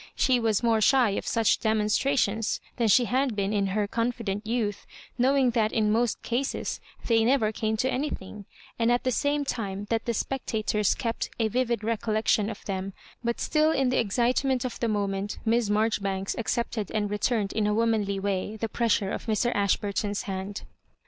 She was more shy of such demonstrations than she had been in her con fident youth, knowing that in most cases they Digitized by VjOOQIC 126 MISS KABJrOBIBAinca neyer came to anything, and at the same time that the spectators kept a vivid recollection of them ; but still in the excitement of the moment, Miss Marjoribanks accepted and returned m a womanly way the pressore of Mr. Ashborton's hand.